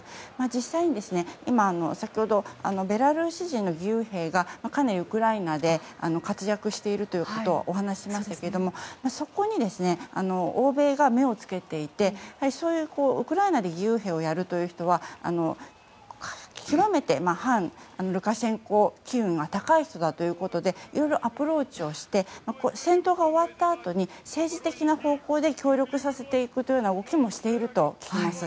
実際に先ほどベラルーシ人の義勇兵がかなりウクライナで活躍しているということをお話ししましたけれどもそこに欧米が目をつけていてそういうウクライナで義勇兵をやるという人は極めて反ルカシェンコ機運が高い人だということで色々アプローチをして戦闘が終わったあとに政治的な方向で協力させていくという動きをしていると聞きます。